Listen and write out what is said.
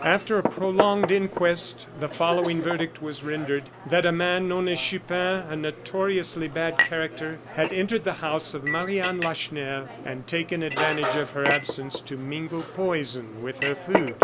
After a prolonged inquest the following verdict was rendered: "That a man known as Chupin, a notoriously bad character, had entered the house of Marie Anne Lacheneur, and taken advantage of her absence to mingle poison with her food."